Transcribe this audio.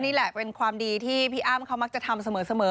นี่แหละเป็นความดีที่พี่อ้ำเขามักจะทำเสมอ